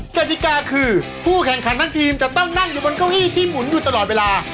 กติกาคือผู้แข่งขันทั้งทีมจะต้องนั่งอยู่บนเก้าอี้ที่หมุนอยู่ตลอดเวลา